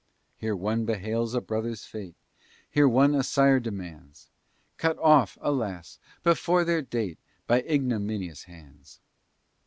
Here one bewails a brother's fate, There one a sire demands, Cut off, alas! before their date, By ignominious hands.